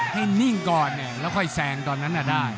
ให้นิ่งก่อนเนี่ยแล้วค่อยแซงตอนนั้นก็ได้